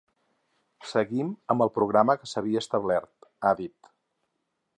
Seguim amb el programa que s’havia establert, ha dit.